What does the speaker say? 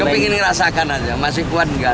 kok pengen ngerasakan aja masih kuat gak